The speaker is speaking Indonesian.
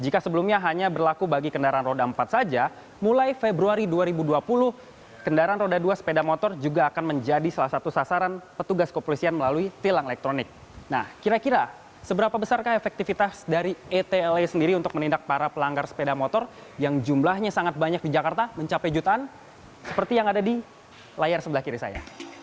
kira kira seberapa besar efektivitas dari atle sendiri untuk menindak para pelanggar sepeda motor yang jumlahnya sangat banyak di jakarta mencapai jutaan seperti yang ada di layar sebelah kiri saya